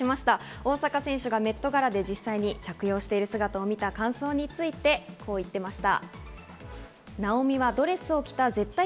大坂選手がメットガラで実際に着用している姿を見た感想についてこう言っていました。